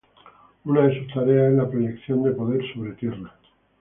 Una de sus tareas es la proyección de poder sobre tierra.